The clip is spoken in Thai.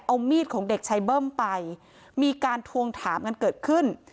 เอามีดของเด็กชายเบิ้มไปมีการทวงถามกันเกิดขึ้น